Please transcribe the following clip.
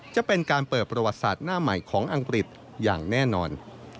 จะเป็นการเปิดประวัติศาสตร์หน้าใหม่ของอังกฤษอย่างแน่นอน